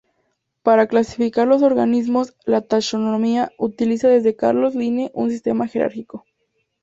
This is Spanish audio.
Para clasificar los organismos, la taxonomía utiliza desde Carlos Linneo un sistema jerárquico.